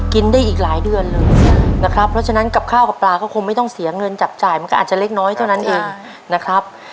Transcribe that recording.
กินได้อีกหลายเดือนเลยนะครับเพราะฉะนั้นกับข้าวกับปลาก็คงไม่ต้องเสียเงินจับจ่ายมันก็อาจจะเล็กน้อยเท่านั้นเองนะครับ